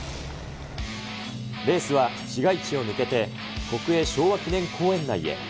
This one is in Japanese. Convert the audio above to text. レースは市街地を抜けて、国営昭和記念公園内へ。